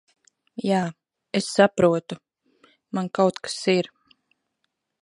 Jā, es saprotu. Man kaut kas ir...